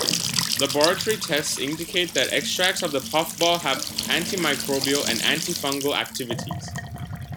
Laboratory tests indicate that extracts of the puffball have antimicrobial and antifungal activities.